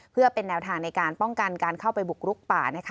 เพื่อเป็นแนวทางในการป้องกันการเข้าไปบุกรุกป่านะคะ